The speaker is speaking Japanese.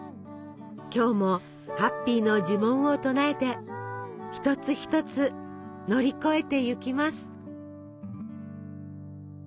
きょうも「ハッピー」の呪文を唱えて一つ一つ乗り越えていきます。